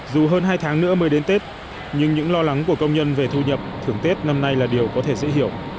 dù hơn hai tháng nữa mới đến tết nhưng những lo lắng của công nhân về thu nhập thường tết năm nay là điều có thể dễ hiểu